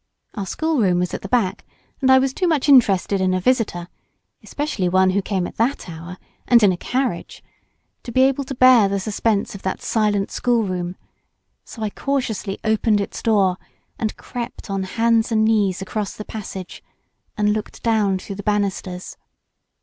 Our schoolroom was at the back, and I was too much interested in a visitor—especially one who came at that hour and in a carriage—to be able to bear the suspense of that silent schoolroom, so I cautiously opened its door and crept on hands and knees across the passage and looked down through the bannisters.